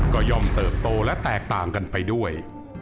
ก็ย่อมเติบโตและแตกต่างกันไปด้วย